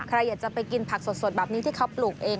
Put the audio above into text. ใครอยากจะไปกินผักสดแบบนี้ที่เขาปลูกเอง